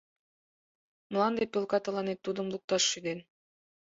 Мланде пӧлка тыланет тудым лукташ шӱден.